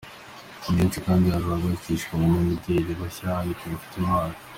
munsi kandi hazaba hashakishwa abanyamideli bashya ariko bafite impano.